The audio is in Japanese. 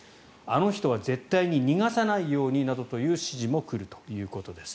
あの人は絶対に逃がさないようになどという指示も来るということです。